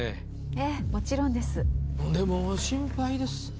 ええもちろんですでも心配です